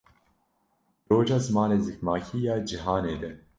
Di Roja Zimanê Zikmakî ya Cihanê De